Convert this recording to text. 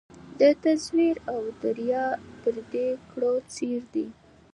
د تزویر او د ریا پردې کړو څیري